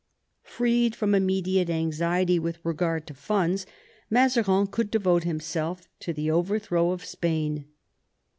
Freed from immediate anxiety with regard to funds, Mazarin could devote himself to the overthrow of Spain.